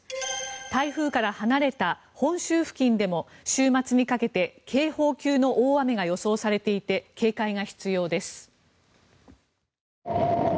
台風から離れた本州付近でも週末にかけて警報級の大雨が予想されていて警戒が必要です。